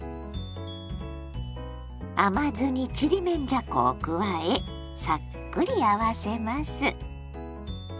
甘酢にちりめんじゃこを加えさっくり合わせます。